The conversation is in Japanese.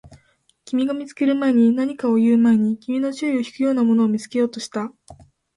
君が見つける前に、何かを言う前に、君の注意を引くようなものを見つけようとした